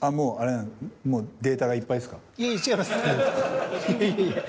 いや違います。